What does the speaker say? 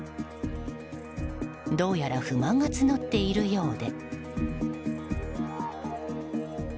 どうやら不満が募っているようで。